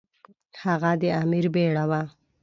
هغه د امیر بیړه وه.